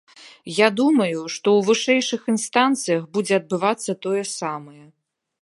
Я думаю, што ў вышэйшых інстанцыях будзе адбывацца тое самае.